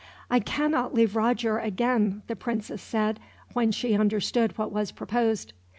"I cannot leave Roger again," the princess said, when she understood what was proposed.